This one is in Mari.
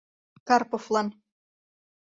КАРПОВЛАН